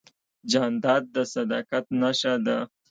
جانداد د صداقت نښه ده.